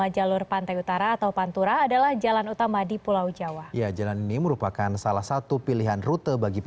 jalur nasional rute satu